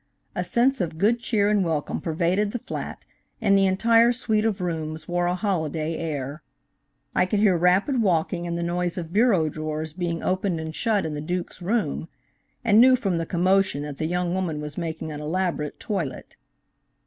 A sense of good cheer and welcome pervaded the flat, and the entire suite of rooms wore a holiday air. I could hear rapid walking and the noise of bureau drawers being opened and shut in the Duke's room, and knew from the commotion that the young woman was making an elaborate toilet.